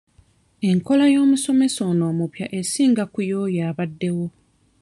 Enkola y'omusomesa ono omupya esinga ku y'oyo abaddewo.